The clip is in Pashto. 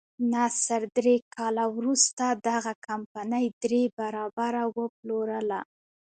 نصر درې کاله وروسته دغه کمپنۍ درې برابره وپلورله.